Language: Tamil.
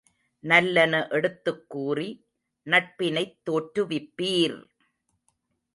நல்லன எடுத்துக் கூறி நட்பினைத் தோற்றுவிப்பீர்!